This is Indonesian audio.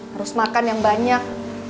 harus makan yang banyak